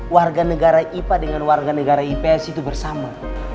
warga negara ipa dengan warga negara ips itu bersama